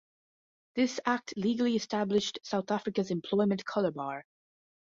This act legally established South Africa's employment colour bar.